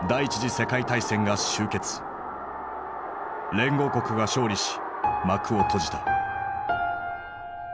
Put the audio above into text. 連合国が勝利し幕を閉じた。